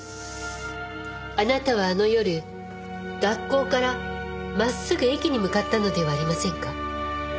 あなたはあの夜学校から真っすぐ駅に向かったのではありませんか？